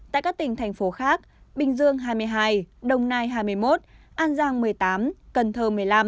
tại các tỉnh thành phố khác bình dương hai mươi hai đồng nai hai mươi một an giang một mươi tám cần thơ một mươi năm